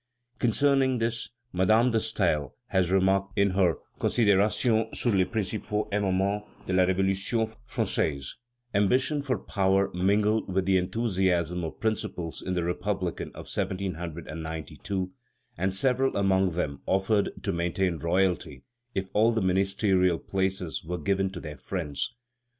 Concerning this, Madame de Staël has remarked in her Considerations sur les principaux événements de la Révolution française: "Ambition for power mingled with the enthusiasm of principles in the republicans of 1792, and several among them offered to maintain royalty if all the ministerial places were given to their friends....